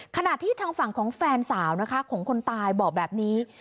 ขณะที่ทางฝั่งของแฟนสาวนะคะของคนตายบอกแบบนี้